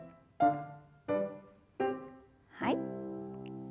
はい。